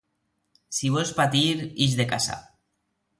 Si vols patir, ix de casa.